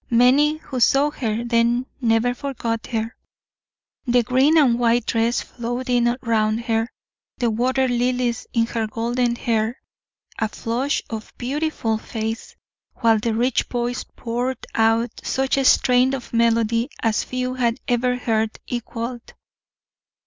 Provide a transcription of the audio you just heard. Many who saw her then never forgot her; the green and white dress floating round her, the water lilies in her golden hair, a flush on the beautiful face, while the rich voice poured out such a strain of melody as few had ever heard equaled.